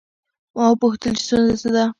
ما وپوښتل چې ستونزه څه ده؟